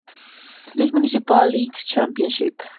Louis Municipal League championship.